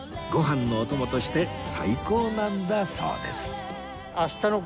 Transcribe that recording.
ご飯のお供として最高なんだそうです